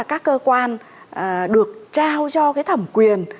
đó là các cơ quan được trao cho cái thẩm quyền